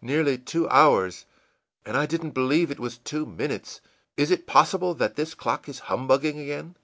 Nearly two hours, and I didn't believe it was two minutes! Is it possible that this clock is humbugging again?